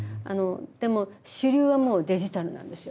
でも主流はもうデジタルなんですよ。